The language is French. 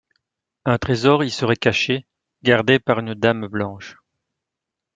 Un trésor y serait caché, gardé par une Dame blanche.